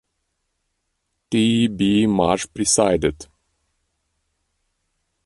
T. B. Marsh presided.